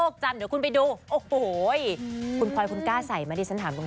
คุณคอยคุณกล้าใส่ไหมดิฉันถามตรง